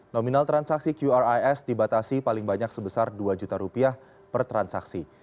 nominal transaksi qris dibatasi paling banyak sebesar dua juta rupiah per transaksi